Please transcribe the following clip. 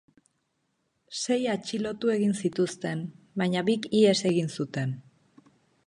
Sei atxilotu egin zituzten, baina bik ihes egin zuten.